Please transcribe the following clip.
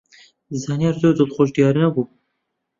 زانیار زۆر دڵخۆش دیار نەبوو.